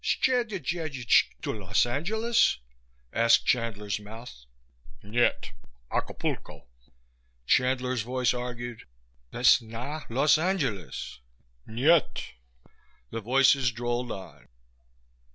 _" "Czy ty jedziesz to Los Angeles?" asked Chandler's mouth. "Nyet. Acapulco." Chandler's voice argued, "Wes na Los Angeles." "Nyet." The voices droned on.